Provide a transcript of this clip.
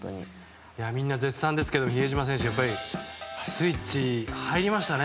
いや、みんな絶賛ですけど比江島選手スイッチ入りましたね。